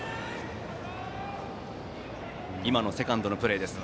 今のセカンドのプレーです。